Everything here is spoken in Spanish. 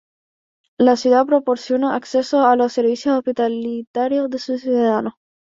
La ciudad proporciona acceso a los servicios hospitalarios a sus ciudadanos.